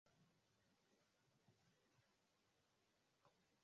ula kama viazi vitamu mahindi maharagwe na mihogo zile